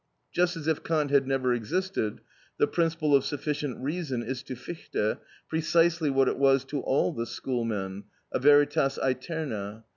Just as if Kant had never existed, the principle of sufficient reason is to Fichte precisely what it was to all the schoolmen, a veritas aeterna.